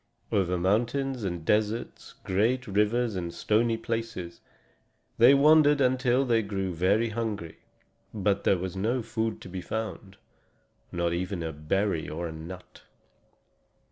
Over mountains and deserts, great rivers and stony places, they wandered until they grew very hungry. But there was no food to be found not even a berry or a nut.